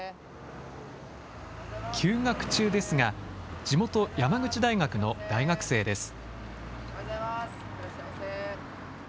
休学中ですが、地元、山口大学の大学生です。